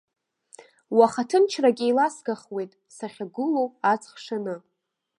Уаха ҭынчрак еиласгахуеит, сахьагәылоу аҵх шаны.